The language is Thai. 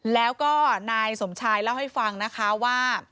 แล้วก็นายสมชายเล่าให้ฟังนะคะว่า